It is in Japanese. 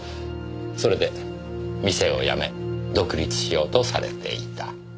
それで店を辞め独立しようとされていた。